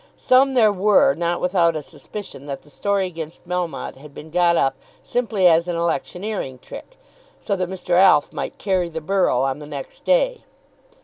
Some there were not without a suspicion that the story against Melmotte had been got up simply as an electioneering trick, so that Mr. Alf might carry the borough on the next day.